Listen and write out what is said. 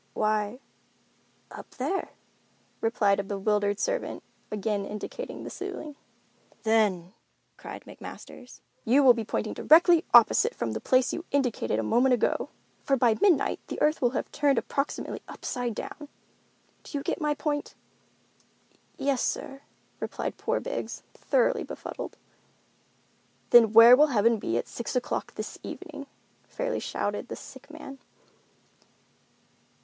"Why, up there," replied the bewildered servant, again indicating the ceiling. "Then," cried McMasters, "you will be pointing directly opposite from the place you indicated a moment ago; for by midnight the earth will have turned approximately upside down. Do you get my point?" "Yes, sir," replied poor Biggs, thoroughly befuddled. "Then where will heaven be at six o'clock this evening?" fairly shouted the sick man.